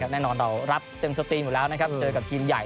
แน่นอนเรารับเต็มสตรีมอยู่แล้วนะครับเจอกับทีมใหญ่